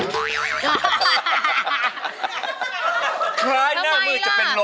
นี่